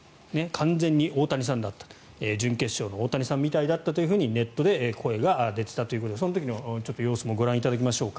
完全に大谷さんだった準決勝の大谷さんみたいだったとネットで声が出ていた時ということでその時の様子もご覧いただきましょうか。